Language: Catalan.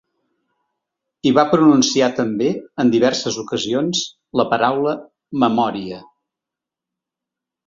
I va pronunciar també, en diverses ocasions, la paraula ‘memòria’.